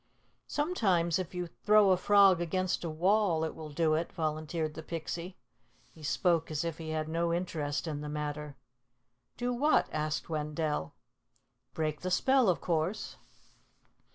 "Sometimes if you throw a frog against a wall it will do it," volunteered the Pixie. He spoke as if he had no interest in the matter. "Do what?" asked Wendell. "Break the spell, of course."